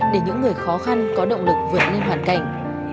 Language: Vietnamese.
để những người khó khăn có động lực vượt lên hoàn cảnh